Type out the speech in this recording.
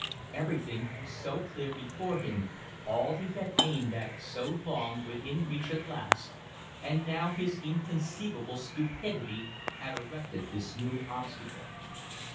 Everything was so clear before him, all he had aimed at so long within reach at last, and now his inconceivable stupidity had erected this new obstacle.